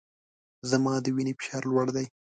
زما د وینې فشار لوړ دی